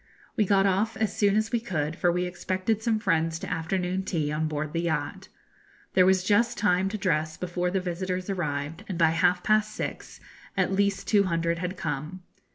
We got off as soon as we could, for we expected some friends to afternoon tea on board the yacht. There was just time to dress before the first visitors arrived, and by half past six at least two hundred had come.